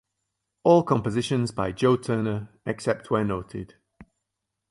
All compositions by Joe Turner except where noted